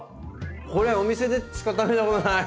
これはお店でしか食べたことない。